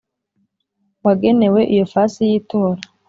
Wagenewe iyo fasi y itora